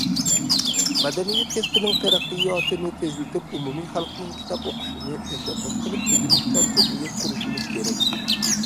مەدەنىيەت كەسپىنىڭ تەرەققىياتىنى تېزلىتىپ، ئومۇمىي خەلقنىڭ كىتاب ئوقۇشىنى تەشەببۇس قىلىپ، ئۆگىنىشچان جەمئىيەت قۇرۇشىمىز كېرەك.